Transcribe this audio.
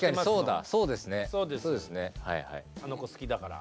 あの子好きだから。